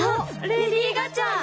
レディー・ガチャ！